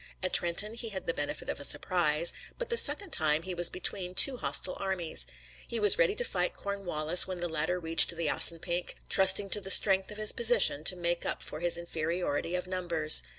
At Trenton he had the benefit of a surprise, but the second time he was between two hostile armies. He was ready to fight Cornwallis when the latter reached the Assunpink, trusting to the strength of his position to make up for his inferiority of numbers.